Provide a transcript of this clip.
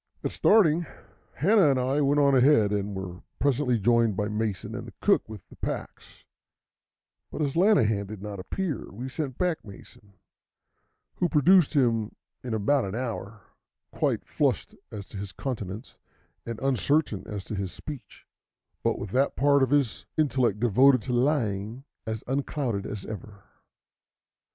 At starting, Hanna and I went on ahead, and were presently joined by Mason and the cook with the packs; but as Lanahan did not appear, we sent back Mason, who produced him in about an hour, quite flushed as to his countenance and uncertain as to his speech, but with that part of his intellect devoted to lying as unclouded as ever.